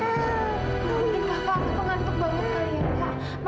ya mungkin kava pengantuk banget kali ya kava